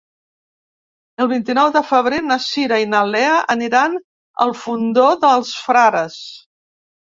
El vint-i-nou de febrer na Cira i na Lea aniran al Fondó dels Frares.